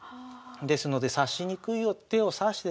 ですので指しにくい手を指してですね